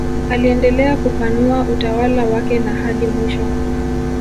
Aliendelea kupanua utawala wake na hadi mwisho